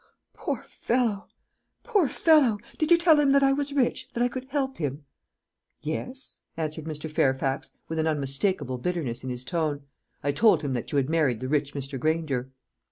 '" "Poor fellow! poor fellow! Did you tell him that I was rich, that I could help him?" "Yes," answered Mr. Fairfax, with an unmistakable bitterness in his tone; "I told him that you had married the rich Mr. Granger."